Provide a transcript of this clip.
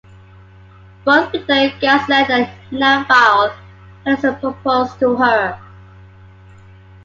Both Victor Cazalet and Nevile Henderson proposed to her.